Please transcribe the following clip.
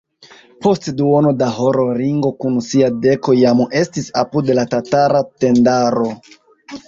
Post duono da horo Ringo kun sia deko jam estis apud la tatara tendaro.